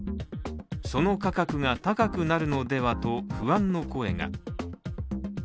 その価格が高くなるのではと不安の声が。